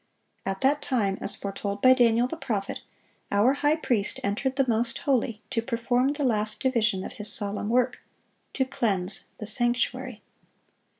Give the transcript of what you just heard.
At that time, as foretold by Daniel the prophet, our High Priest entered the most holy, to perform the last division of His solemn work,—to cleanse the sanctuary.